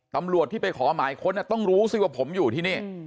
ตำรวจที่ไปขอหมายค้นต้องรู้สิว่าผมอยู่ที่นี่